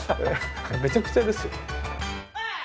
めちゃくちゃですよ。